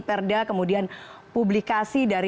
sementara jarod masih menganggap media sosialisasi